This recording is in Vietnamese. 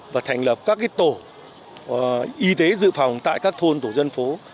và thành lập các tổ y tế dự phòng tại các thôn tổ dân phố